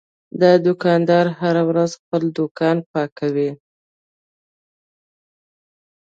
دا دوکاندار هره ورځ خپل دوکان پاکوي.